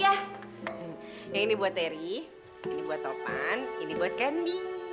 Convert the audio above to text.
yang ini buat teri ini buat topan ini buat candi